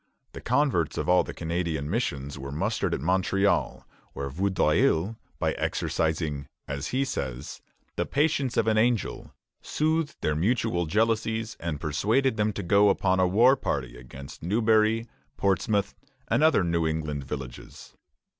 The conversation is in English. The converts of all the Canadian missions were mustered at Montreal, where Vaudreuil, by exercising, as he says, "the patience of an angel," soothed their mutual jealousies and persuaded them to go upon a war party against Newbury, Portsmouth, and other New England villages.